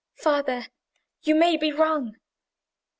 "Father, you may be wrong."